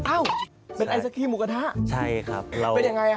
อ้าวเป็นไอศกรีมหมูกระทะเป็นยังไงครับใช่ครับ